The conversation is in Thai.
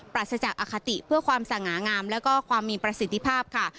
รัสจากอคติเพื่อความสง่างามแล้วก็ความมีประสิทธิภาพค่ะ